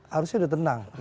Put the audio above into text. harusnya sudah tenang